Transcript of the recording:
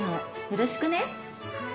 よろしくね。